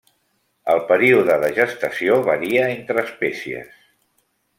El període de gestació varia entre espècies.